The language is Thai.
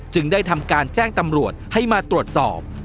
ได้ทำการแจ้งตำรวจให้มาตรวจสอบ